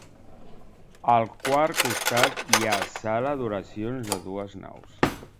Al quart costat hi ha la sala d'oracions de dues naus.